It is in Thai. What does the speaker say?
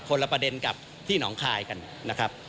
ละประเด็นกับที่หนองคายกันนะครับ